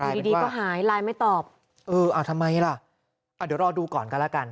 อยู่ดีดีก็หายไลน์ไม่ตอบเอออ่าทำไมล่ะเดี๋ยวรอดูก่อนกันแล้วกัน